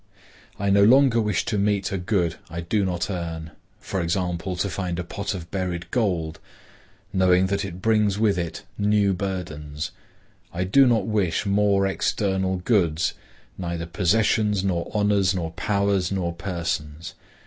I no longer wish to meet a good I do not earn, for example to find a pot of buried gold, knowing that it brings with it new burdens. I do not wish more external goods,—neither possessions, nor honors, nor powers, nor persons.